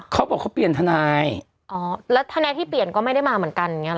เขาบอกเขาเปลี่ยนทนายอ๋อแล้วทนายที่เปลี่ยนก็ไม่ได้มาเหมือนกันอย่างเงี้หรอ